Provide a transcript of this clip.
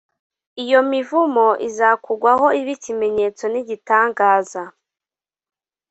iyo mivumo izakugwaho ibe ikimenyetso n’igitangaza,